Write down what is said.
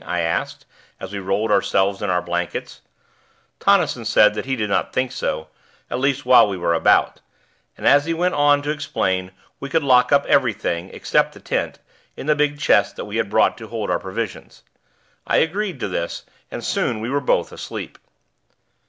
I asked, as we rolled ourselves in our blankets. Tonnison said that he did not think so, at least while we were about; and, as he went on to explain, we could lock up everything, except the tent, in the big chest that we had brought to hold our provisions. I agreed to this, and soon we were both asleep.